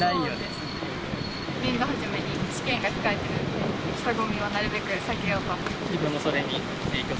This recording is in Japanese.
来年初めに試験が控えてるんで、人混みはなるべく避けようと思って。